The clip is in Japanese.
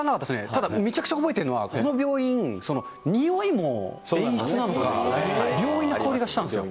ただ、めちゃくちゃ覚えてるのは、この病院、においも演出なのか、病院の香りがしたんですよ。